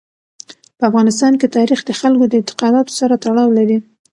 په افغانستان کې تاریخ د خلکو د اعتقاداتو سره تړاو لري.